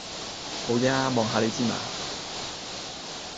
無野呀！望下你之嘛。